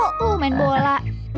aku main bola